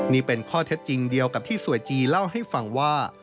นี่เป็นข้อเท็จจริงเดียวกับที่สวยจีเล่าให้ฟังว่า